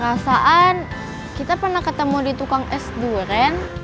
perasaan kita pernah ketemu di tukang es durian